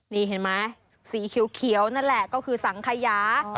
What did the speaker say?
นี่เห็นไหมสีเขียวนั่นแหละก็คือสังขยา